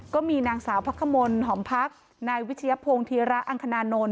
ก็มีนางสาวพระขมลหอมพักนายวิชยพงศ์ธีระอังคณานนท์